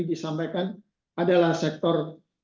disampaikan adalah sektor